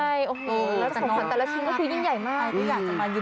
แล้วสมควรแต่ละชิ้นก็คือยิ่งใหญ่มาก